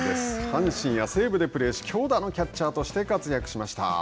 阪神や西武でプレーし強打のキャッチャーとして活躍しました。